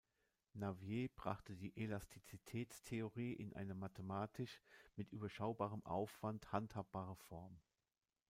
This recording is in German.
Navier brachte die Elastizitätstheorie in eine mathematisch mit überschaubarem Aufwand handhabbare Form.